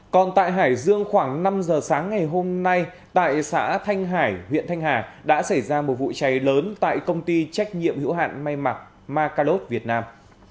còn tại hải dương khoảng năm giờ sáng ngày hôm nay tại xã thanh hải huyện thanh hà đã xảy ra một vụ cháy lớn tại công ty trách nhiệm hữu hạn may mặc macalot việt nam